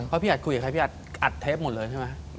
เพราะพี่อัดคุยกับใครพี่อัดอัดเทปหมดเลยใช่ไหม